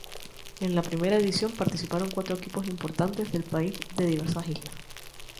En la primera edición participaron cuatro equipos importantes del país de diversas islas.